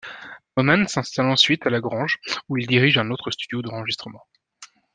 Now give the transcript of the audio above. Moman s'installe ensuite à LaGrange où il dirige un autre studio d'enregistrement.